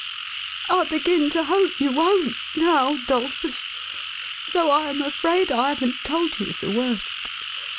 " I begin to hope you won't, now, "Dolphus, though I am afraid I haven't told you the worst.